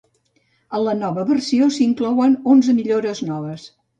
En la nova versió, s'inclouen onze millores noves.